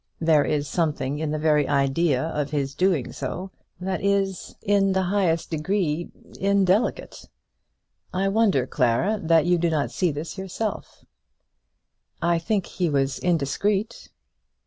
There is something in the very idea of his doing so that is in the highest degree indelicate. I wonder, Clara, that you do not see this yourself." "I think he was indiscreet."